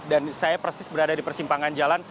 saya persis berada di persimpangan jalan